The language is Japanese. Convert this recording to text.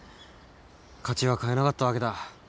勝ちは買えなかったわけだ。